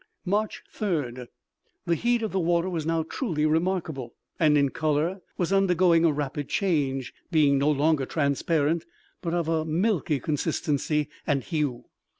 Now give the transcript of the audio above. March 3d. The heat of the water was now truly remarkable, and in color was undergoing a rapid change, being no longer transparent, but of a milky consistency and hue.